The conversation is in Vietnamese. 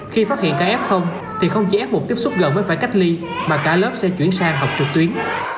khi phát hiện kf thì không chỉ f một tiếp xúc gần với phải cách ly mà cả lớp sẽ chuyển sang học trực tuyến